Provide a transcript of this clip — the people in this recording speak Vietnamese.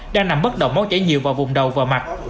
đang nằm bất động móc chảy nhiều vào vùng đầu và mặt